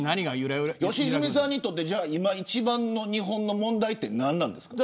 良純さんにとって今、一番の日本の問題は何ですか。